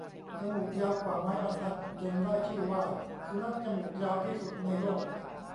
จมูกยาวกว่าไม้บรรทัด จนได้ชื่อว่า สุนัขจมูกยาวที่สุดในโลก